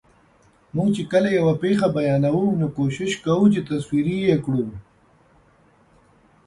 موږ چې کله یوه پېښه بیانوو، نو کوښښ کوو چې تصویري یې کړو.